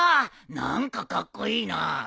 何かカッコイイな。